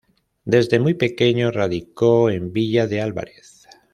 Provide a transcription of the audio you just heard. Desde muy pequeño radicó en Villa de Álvarez.